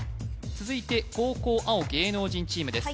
続いて後攻青芸能人チームです